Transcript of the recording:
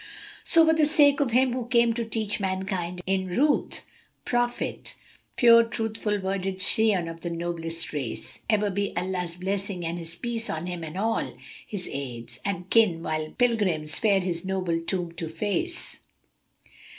So for the sake of him who came to teach mankind in ruth * Prophet, pure, truthful worded scion of the noblest race; Ever be Allah's blessing and His peace on him and all * His aids [FN#261] and kin while pilgrims fare his noble tomb to face!